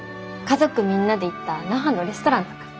家族みんなで行った那覇のレストランとか。